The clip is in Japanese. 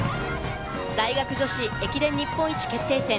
大学女子駅伝日本一決定戦。